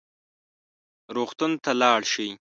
روغتون ته لاړ شئ